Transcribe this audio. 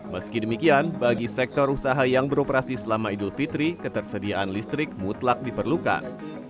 meski demikian bagi sektor usaha yang beroperasi selama idul fitri ketersediaan listrik mutlak diperlukan